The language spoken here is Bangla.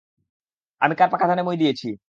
আমি কার পাকা ধানে মই দিয়েছি?